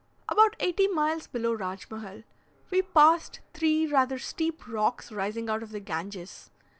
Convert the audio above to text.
About 80 miles below Rajmahal, we passed three rather steep rocks rising out of the Ganges.